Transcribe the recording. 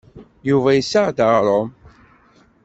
Yuba yessaɣ-d aɣrum.